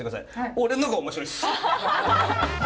俺の方が面白いです！